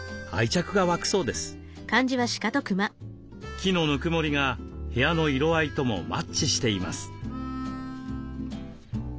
木のぬくもりが部屋の色合いともマッチしています。